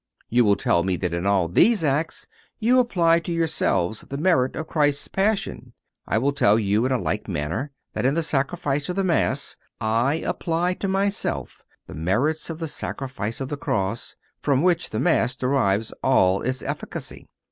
You will tell me that in all these acts you apply to yourself the merits of Christ's Passion. I will tell you, in like manner, that in the Sacrifice of the Mass I apply to myself the merits of the sacrifice of the cross, from which the Mass derives all its efficacy.